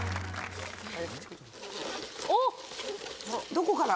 どこから？